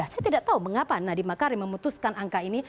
saya tidak tahu mengapa nadiem makarim memutuskan angka ini